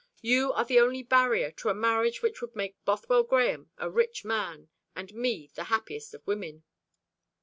You are the only barrier to a marriage which would make Bothwell Grahame a rich man, and me the happiest of women."